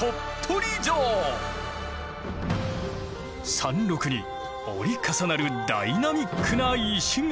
山麓に折り重なるダイナミックな石垣。